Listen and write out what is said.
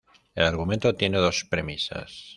El argumento tiene dos premisas.